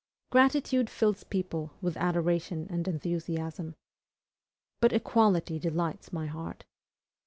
Gratitude fills people with adoration and enthusiasm. But equality delights my heart.